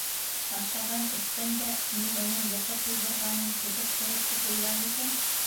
Ашаған, эскән дә, мин уның йоҡо туйҙырғанын көтөп торор тип уйлай микән?